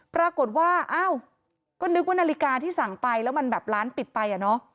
ปรากฏว่าอ้าวก็นึกว่านาฬิกาที่สั่งไปแล้วมันแบบร้านปิดไปอ่ะเนอะ